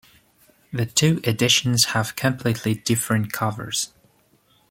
The two editions have completely different covers.